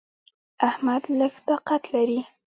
احمد لږ طاقت لري.